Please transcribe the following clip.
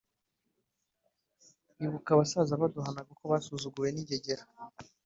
Ibuka abasaza baduhanaga Uko basuzuguwe n’ingegera